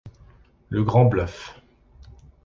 Le Grand Bluff.